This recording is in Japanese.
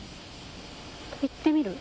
行ってみる？